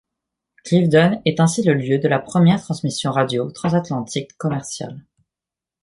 Clifden est ainsi le lieu de la première transmission radio transatlantique commerciale.